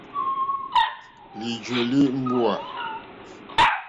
Lìjɔ́lɛ̀ mbúà.